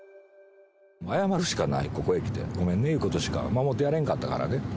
謝るしかない、ここへ来て、ごめんね言うことしか、守ってやれんかったからね。